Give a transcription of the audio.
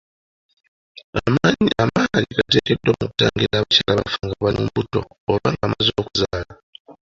Amaanyi gateekeddwa mu kutangira abakyala abafa nga bali mbuto oba nga bamaze okuzaala.